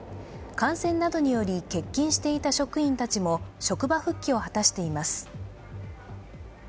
感染などにより欠勤していた職員たちも職場復帰を果たしています。